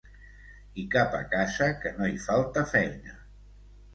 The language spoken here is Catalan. I cap a casa, que no hi falta feina.